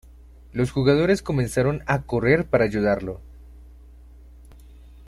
Los jugadores comenzaron a correr para ayudarlo.